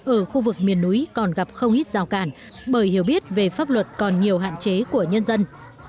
ở khu vực miền núi còn gặp không ít rào cản bởi hiểu biết về pháp luật còn nhiều hạn chế của nhân dân